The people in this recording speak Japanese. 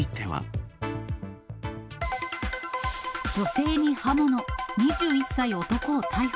女性に刃物、２１歳男を逮捕。